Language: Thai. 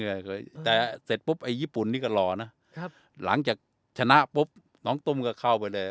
เคยแต่เสร็จปุ๊บไอ้ญี่ปุ่นนี่ก็รอนะครับหลังจากชนะปุ๊บน้องตุ้มก็เข้าไปเลย